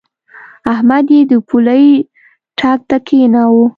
احمد يې د پولۍ ټک ته کېناوو.